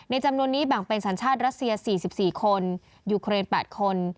ในจำนวนนี้แบ่งเป็นสัญชาติรัสเซียสี่สิบสี่คนยูเครนแปดคน